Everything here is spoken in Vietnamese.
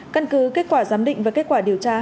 căn cứ kết quả giám định và kết quả điều tra